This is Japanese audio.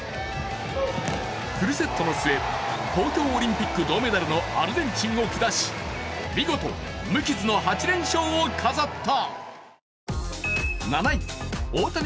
フルセットの末、東京オリンピック銅メダルのアルゼンチンを下し、見事無傷の８連勝を飾った。